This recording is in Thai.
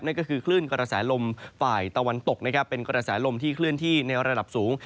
นั่นก็คือคลื่นกระแสลมฝ่ายตะวันตกนะครับเป็นกระแสลมที่เคลื่อนที่ในระดับสูง